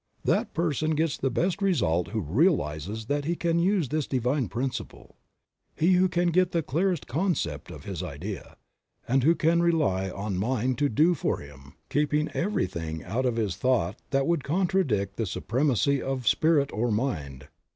That person gets the best results who realizes that he can use this divine principle; he who can get the clearest concept of his idea, and who can rely on mind to do for him, keeping everything out of his thought that would contradict the supremacy of Spirit or Mind.